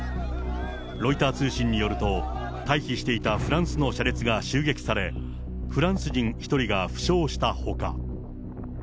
ロイター通信によると、退避していたフランスの車列が襲撃され、フランス人１人が負傷したほか。